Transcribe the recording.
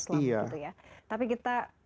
sekali dalam islam tapi kita